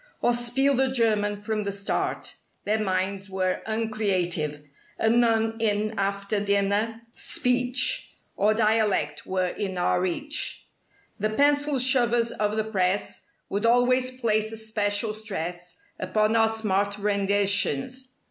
Or spiel the German from the start— Their minds were uncreative— And none in after dinner speech Or "dialect" were in our reach. 142 The "pencil shovers" of the press Would always place a special stress Upon our smart renditions.